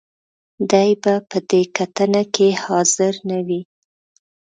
دې به په دې کتنه کې حاضر نه وي.